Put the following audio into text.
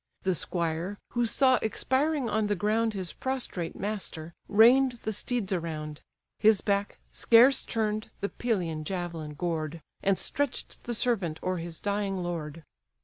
The squire, who saw expiring on the ground His prostrate master, rein'd the steeds around; His back, scarce turn'd, the Pelian javelin gored, And stretch'd the servant o'er his dying lord.